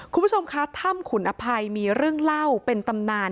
คุณผู้ชมคะถ้ำขุนอภัยมีเรื่องเล่าเป็นตำนาน